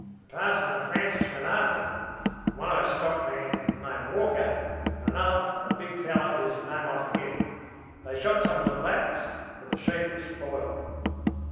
The Parson and Francis went after them, and one of our stockmen named Walker, and another, a big fellow whose name I forget. They shot some of the blacks, but the sheep were spoiled.